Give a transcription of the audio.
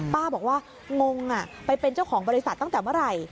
ป้าบอกว่างงไปเป็นเจ้าของบริษัทตั้งแต่เมื่อไหร่